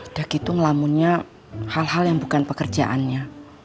udah gitu ngelamunnya hal hal yang bukan pekerjaannya